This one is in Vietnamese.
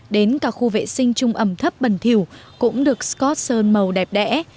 đến cả khu vệ sinh trung ẩm thấp bần thiểu cũng được scot sơn màu đẹp đẽ